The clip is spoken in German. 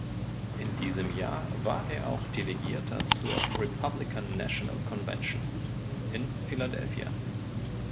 In diesem Jahr war er auch Delegierter zur Republican National Convention in Philadelphia.